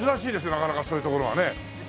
なかなかそういう所はね。